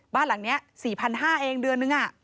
บ้านหลังนี้๔๕๐๐เองเดือนนึง